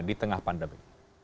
di tengah pandemi